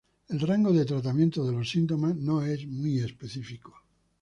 El rango de tratamiento de los síntomas no es muy específico.